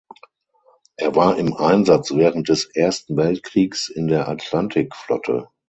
Er war im Einsatz während des Ersten Weltkriegs in der Atlantikflotte.